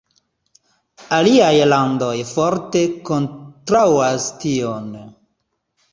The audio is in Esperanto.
Aliaj landoj forte kontraŭas tion.